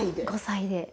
５歳で。